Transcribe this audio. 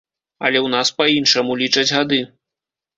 Але ў нас па-іншаму лічаць гады.